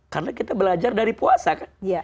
karena kita belajar dari puasa kan